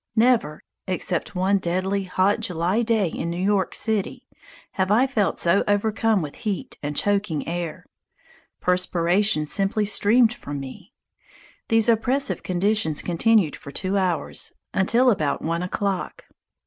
Never, except one deadly hot July day in New York City, have I felt so overcome with heat and choking air. Perspiration simply streamed from me. These oppressive conditions continued for two hours, until about one o'clock.